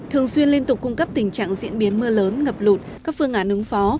thường xuyên liên tục cung cấp tình trạng diễn biến mưa lớn ngập lụt các phương án ứng phó